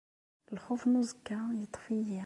Lxuf n uẓekka iṭṭef-iyi.